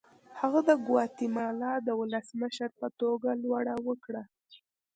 هغه د ګواتیمالا د ولسمشر په توګه لوړه وکړه.